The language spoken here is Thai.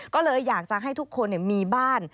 ก็เลยอยากจะให้ทุกคนมีบ้าน